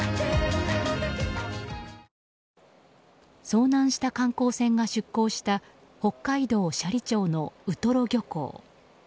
遭難した観光船が出港した北海道斜里町のウトロ漁港。